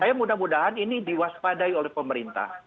saya mudah mudahan ini diwaspadai oleh pemerintah